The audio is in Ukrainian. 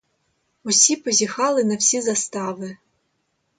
Усі позіхали на всі застави.